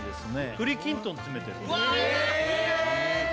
栗きんとん詰めてるんですわ